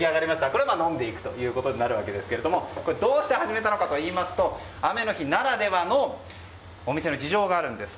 これを飲んでいくということになるわけですけどもどうして始めたのかというと雨の日ならではのお店の事情があるんです。